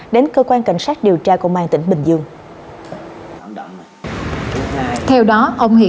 đến cơ quan cảnh sát điều tra công an tỉnh bình dương